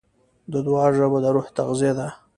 د دعا ژبه د روح تغذیه ده.